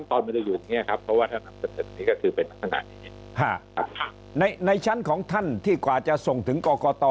ก็ต้องทำล้องมาตรวจสอบ